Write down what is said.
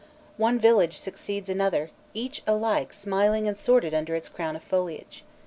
One village succeeds another, each alike smiling and sordid under its crown of foliage.